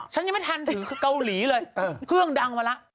ฉันยังไม่ทันถึงเกาหลีเลยเครื่องดังมาแล้ว